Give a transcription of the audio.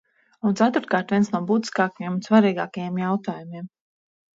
Un, ceturtkārt, viens no būtiskākajiem un svarīgākajiem jautājumiem.